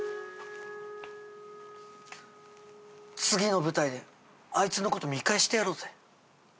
次の舞台であいつのこと見返してやろうぜ。